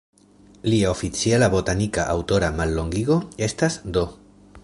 Lia oficiala botanika aŭtora mallongigo estas "D.".